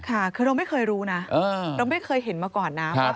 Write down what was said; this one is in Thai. ค่ะคือเราไม่เคยรู้นะเราไม่เคยเห็นมาก่อนนะว่า